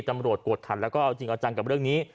ตำรวจกวดขันแล้วก็เอาจริงเอาจังกับเรื่องนี้